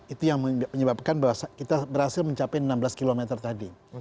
itu yang menyebabkan bahwa kita berhasil mencapai enam belas km tadi